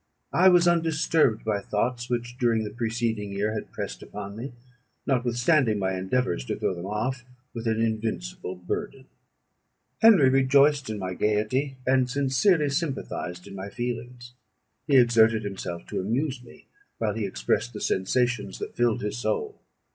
I was undisturbed by thoughts which during the preceding year had pressed upon me, notwithstanding my endeavours to throw them off, with an invincible burden. Henry rejoiced in my gaiety, and sincerely sympathised in my feelings: he exerted himself to amuse me, while he expressed the sensations that filled his soul.